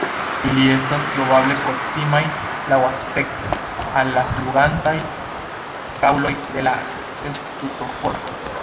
Ili estas probable proksimaj laŭ aspekto al la flugantaj prauloj de la Strutoformaj.